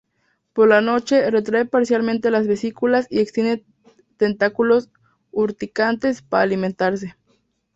Por la noche, retrae parcialmente las vesículas y extiende tentáculos urticantes para alimentarse.